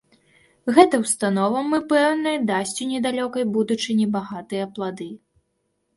Гэта ўстанова, мы пэўны, дасць у недалёкай будучыні багатыя плады.